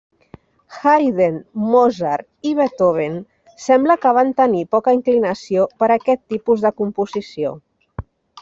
Haydn, Mozart i Beethoven sembla que van tenir poca inclinació per aquest tipus de composició.